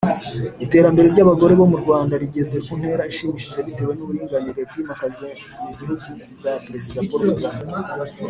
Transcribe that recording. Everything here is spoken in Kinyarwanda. Iterambere ry’ abagore bo mu Rwanda rigeze ku ntera ishimishije bitewe n’uburinganire bwimakajwe mu gihugu kubwa Perezida Paul Kagame.